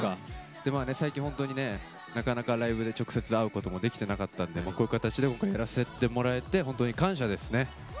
でも最近本当になかなかライブで会うこともできなかったんでこういう形でやらせてもらえて本当に感謝ですね。